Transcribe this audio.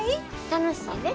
楽しいで。